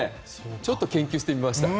ちょっと研究してみました。